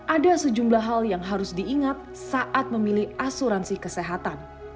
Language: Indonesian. ada sejumlah hal yang harus diingat saat memilih asuransi kesehatan